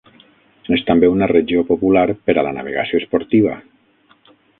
És també una regió popular per a la navegació esportiva.